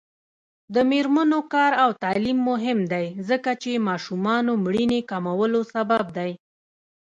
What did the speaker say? د میرمنو کار او تعلیم مهم دی ځکه چې ماشومانو مړینې کمولو سبب دی.